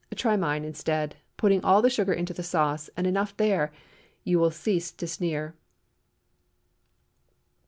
Try mine instead, putting all the sugar into the sauce, and enough there, and you will cease to sneer.